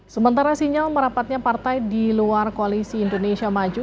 sementara sinyal merapatnya partai di luar koalisi indonesia maju